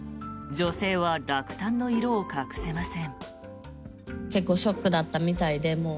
女性は落胆の色を隠せません。